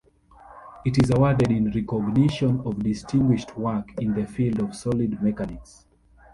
It is awarded in recognition of distinguished work in the field of solid mechanics.